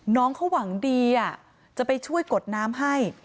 น้องเขาหวังดีจะไปช่วยกดน้ำให้